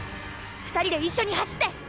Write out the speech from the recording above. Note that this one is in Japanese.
２人で一緒に走って！